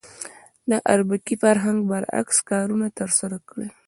د اربکي فرهنګ برعکس کارونه ترسره کړي.